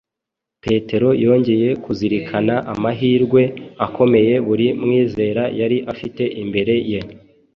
Petero yongeye kuzirikana amahirwe akomeye buri mwizera yari afite imbere ye.